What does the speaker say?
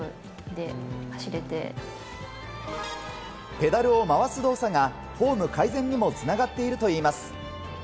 ペダルを回す動作がフォーム改善にも繋がっているといいます。